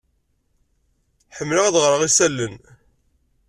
Ḥemmleɣ ad ɣreɣ isalan.